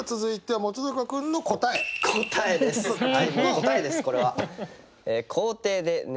もう答えですこれは。